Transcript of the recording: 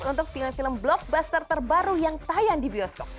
untuk film film blockbuster terbaru yang tayang di bioskop